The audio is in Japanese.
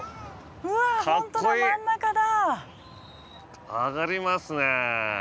うわ本当だ真ん中だ。